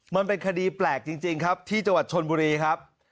มันเป็นคดีแปลกจริงครับที่จังหวัดชนบุรีครับ